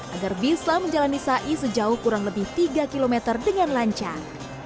agar bisa menjalani sai sejauh kurang lebih tiga kilometer dengan lancar